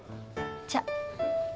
じゃあ！